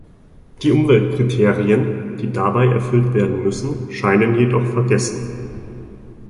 Die Umweltkriterien, die dabei erfüllt werden müssen, scheinen jedoch vergessen.